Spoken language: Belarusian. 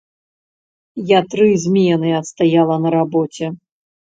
Я тры змены адстаяла на рабоце.